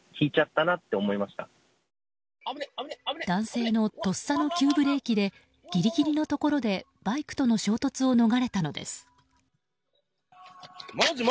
男性のとっさの急ブレーキでギリギリのところでバイクとの衝突を逃れたのです。